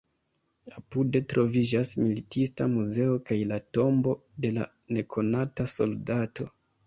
Apude troviĝas militista muzeo kaj la Tombo de la Nekonata Soldato.